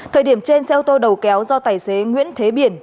thời điểm trên xe ô tô đầu kéo do tài xế nguyễn thế biển